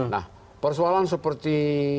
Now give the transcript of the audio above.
nah persoalan seperti